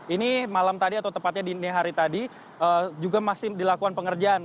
ini malam tadi atau tepatnya dini hari tadi juga masih dilakukan pengerjaan